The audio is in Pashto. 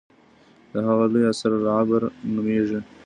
د هغه لوی اثر العبر نومېږي.